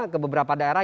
ke beberapa daerah